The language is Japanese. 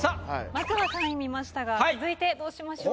まずは３位見ましたが続いてどうしましょうか？